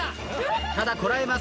ただこらえます。